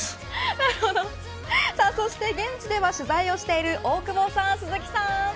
なるほど、さあそして現地では取材をしている大久保さん、鈴木さん。